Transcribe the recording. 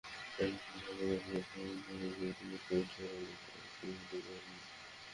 একই রকম হতাশা প্রকাশ করেছেন ব্লু রিবন কমিটির সভাপতি তেয়োফিস্তো গুংগোনা।